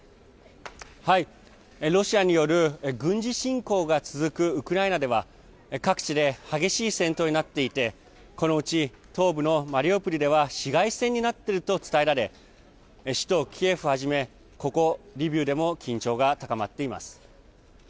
ロシアによる軍事侵攻が続くウクライナでは各地で激しい戦闘になっていてこのうち、東部のマリウポリでは市街戦になっていると伝えられ首都キエフはじめここリビウでも緊張が高まっています。